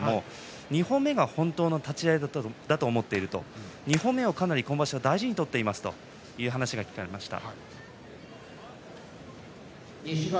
２歩目が本当の立ち合いだと思っていると２歩目をかなり今場所、大事に取っていますという話が聞かれました。